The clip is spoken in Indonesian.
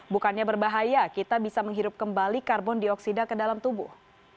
bukannya berbahaya kita bisa menghirup kembali karbon dioksida ke dalam tubuh